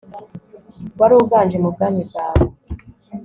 wari uganje mu bwami bwawe